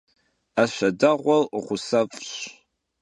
'eşe değuer ğusef'ş.